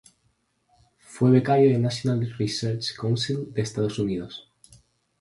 Fue becario del National Research Council de Estados Unidos.